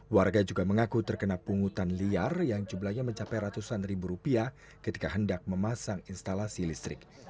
warga juga mengaku terkena pungutan liar yang jumlahnya mencapai ratusan ribu rupiah ketika hendak memasang instalasi listrik